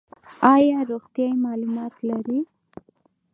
ایا روغتیایی معلومات لرئ؟